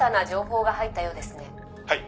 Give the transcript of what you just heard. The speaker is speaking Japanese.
「はい。